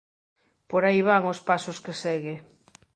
Por aí van os pasos que segue.